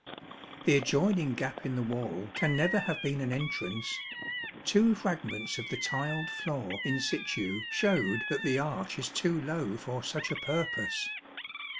The adjoining gap in the wall can never have been an entrance. Two fragments of the tiled floor in situ showed that the arch is too low for such a purpose.